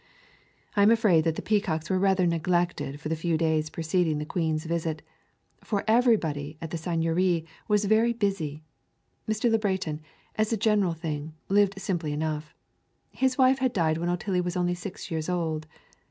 I am afraid that the peacocks were rather neglected for the few days preceding the Queen's visit, for everybody at the Seigneurie was very busy. Mr. Le Breton, as a general thing, lived simply enough. His wife had died when Otillie was only six years old.